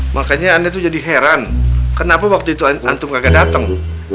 paku paku dicabutin dong